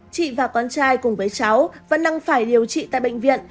chị và con trai cùng với cháu vẫn đang phải điều trị tại bệnh viện